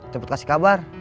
jemput kasih kabar